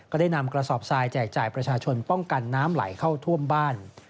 ได้นำกระสอบทรายแจกจ่ายประชาชนป้องกันน้ำไหลเข้าท่วมบ้าน